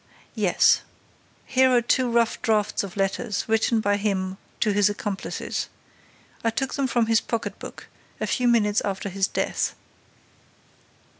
"Yes. Here are two rough drafts of letters written by him to his accomplices. I took them from his pocket book, a few minutes after his death."